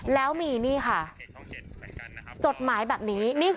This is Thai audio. แล้วมีนี่ค่ะจดหมายแบบนี้